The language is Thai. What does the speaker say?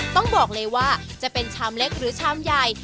ต้องบอกเลยว่าจะเป็นชามเล็กหรือชามใหญ่